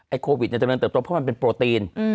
ไอโควิดเนี่ยจะเริ่มเติบตกเพราะมันเป็นโปรตีน